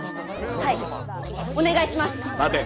はいお願いしますッ。